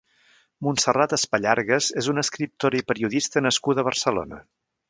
Montserrat Espallargas és una escriptora i periodista nascuda a Barcelona.